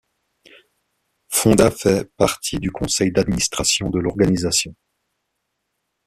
Fonda fait partie du conseil d'administration de l'organisation.